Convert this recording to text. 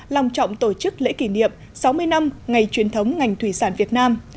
lòng trọng tổ chức lễ kỷ niệm sáu mươi năm ngày truyền thống ngành thủy sản việt nam